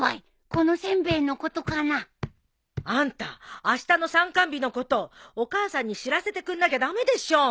この煎餅のことかな？あんたあしたの参観日のことお母さんに知らせてくんなきゃ駄目でしょ。